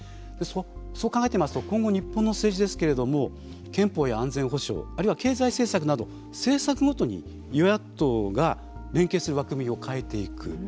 そう考えてみますと今後、日本の政治ですけれども憲法や安全保障あるいは経済政策など政策ごとに与野党が連携する枠組みを変えていく。